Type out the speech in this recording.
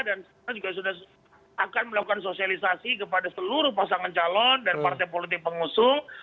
kita juga sudah akan melakukan sosialisasi kepada seluruh pasangan calon dan partai politik pengusung